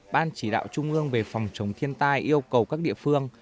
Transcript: ban chỉ đạo trung ương về phòng chống thiên tai yêu cầu các địa phương